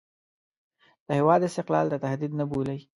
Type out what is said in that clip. د هېواد استقلال ته تهدید نه بولي.